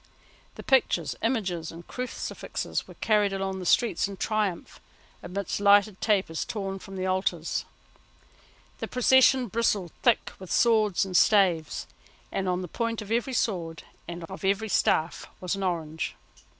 The pictures, images and crucifixes were carried along the streets in triumph, amidst lighted tapers torn from the altars. The procession bristled thick with swords and staves, and on the point of every sword and of every staff was an orange.